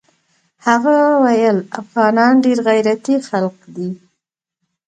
هغه ويل افغانان ډېر غيرتي خلق دي.